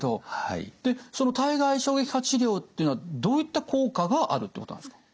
その体外衝撃波治療っていうのはどういった効果があるってことなんですか？